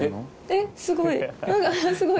えっすごい。